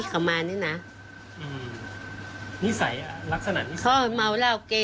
ที่มีเรื่องราวทะเลาะวิวาดกัน